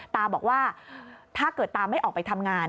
ตาบอกว่าถ้าเกิดตาไม่ออกไปทำงาน